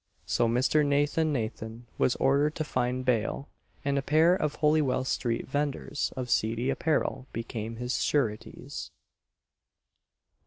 So Mr. Nathan Nathan was ordered to find bail, and a pair of Holywell street vendors of seedy apparel became his sureties.